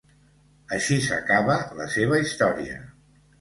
Així s'acaba la seva història.